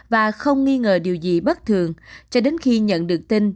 và không nghi ngờ điều gì bất thường cho đến khi nhận được tin